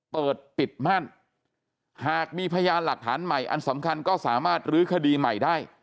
เปิดปิดม่านหากมีพยานหลักฐานใหม่อันสำคัญก็สามารถลื้อคดีใหม่ได้